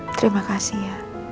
terima kasih ya